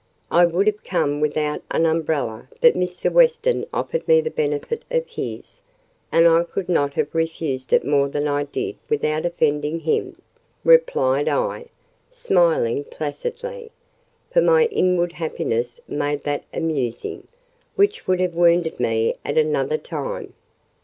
"I would have come without an umbrella, but Mr. Weston offered me the benefit of his, and I could not have refused it more than I did without offending him," replied I, smiling placidly; for my inward happiness made that amusing, which would have wounded me at another time.